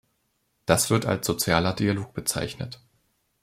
Das wird als sozialer Dialog bezeichnet.